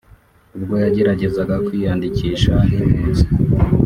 ubwo yageragezaga kwiyandikisha nk’impunzi